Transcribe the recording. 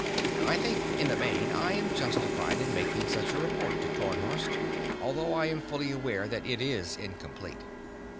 I think, in the main, I am justified in making such a report to Tarnhorst, although I am fully aware that it is incomplete.